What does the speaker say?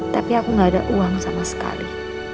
tapi aku gak ada uang sama sekali